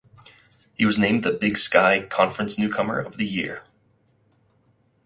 He was named the Big Sky Conference Newcomer of the Year.